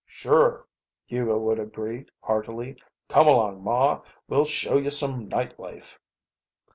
"Sure!" Hugo would agree, heartily. "Come along, Ma. We'll show you some night life."